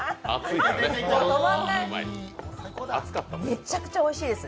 めっちゃくちゃおいしいです。